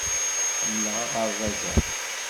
Ḥemmleɣ aɣerbaz-a.